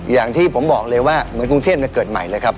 อย่างที่ผมบอกเลยว่าเหมือนกรุงเทพเกิดใหม่เลยครับ